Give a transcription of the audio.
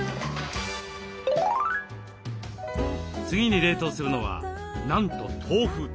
次に冷凍するのはなんと豆腐。